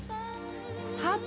ハート？